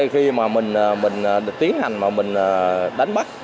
khi mình tiến hành mình đánh bắt